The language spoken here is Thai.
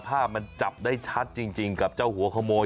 ภาพมันจับได้ชัดจริงกับเจ้าหัวขโมย